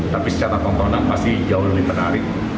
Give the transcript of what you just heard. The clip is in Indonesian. tapi secara komponen pasti jauh lebih menarik